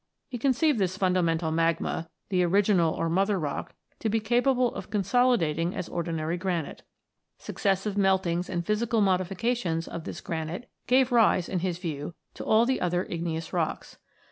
He conceived this fundamental magma, "the original or mother rock," to be capable of consolidating as ordinary granite. Successive meltings and physical modifications of this granite gave rise, in his view, to all the other igneous rocks.